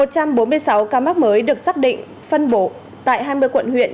một trăm bốn mươi sáu ca mắc mới được xác định phân bổ tại hai mươi quận huyện